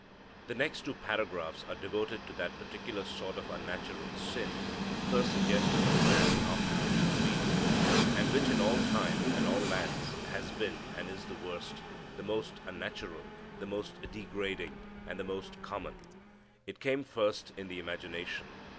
The next two paragraphs are devoted to that particular sort of unnatural sin first suggested to man after his disobedience, and which in all time and all lands has been and is the worst, the most unnatural, the most degrading, and the most common. It came first in the imagination.